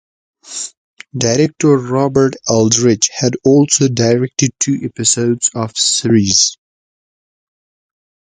Director Robert Aldrich had also directed two episodes of the series.